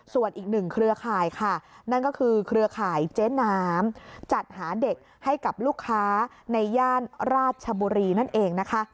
ส่วนอีกหนึ่งเครือข่ายค่ะนั่นก็คือเครือข่ายเจ๊น้ำจัดหาเด็กให้กับลูกค้าในย่านราชบุรีนั่นเองนะคะ